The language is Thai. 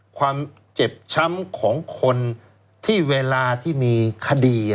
ความเจ็บช้ำของคนที่เวลาที่มีคดี